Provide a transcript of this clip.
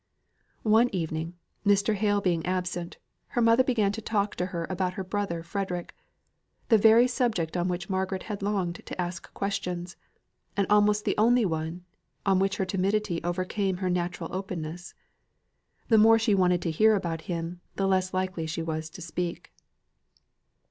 One evening, Mr. Hale being absent, her mother began to talk to her about her brother Frederick, the very subject on which Margaret had longed to ask questions, and almost the only one on which her timidity overcame her natural openness. The more she wanted to hear about him, the less likely she was to speak.